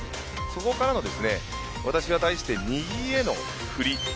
そこからの私から右への振り。